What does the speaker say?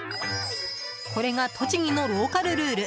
これが栃木のローカルルール